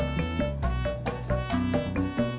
ini lekarnya kong